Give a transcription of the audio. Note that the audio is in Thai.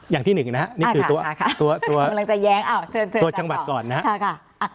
อย่างที่๑นะครับนี่คือตัวจังหวัดก่อนนะครับ